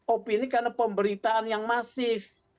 opini karena pemberitaan yang masif